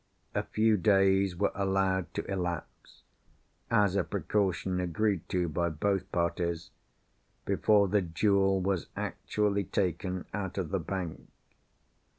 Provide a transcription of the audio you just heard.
A few days were allowed to elapse (as a precaution agreed to by both parties) before the jewel was actually taken out of the bank.